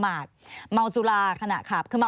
มีความรู้สึกว่ามีความรู้สึกว่า